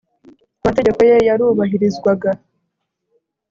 amategeko ye yarubahirizwaga